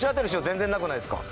全然なくないですか？